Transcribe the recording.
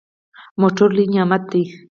موټر لوی نعمت دی.